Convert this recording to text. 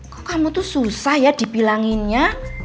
kok kamu tuh susah ya dibilanginnya